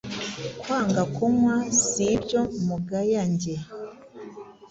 Kwanga kunywa si ibyo mugaya njye :